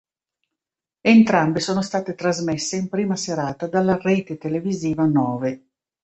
Entrambe sono state trasmesse in prima serata dalla rete televisiva Nove.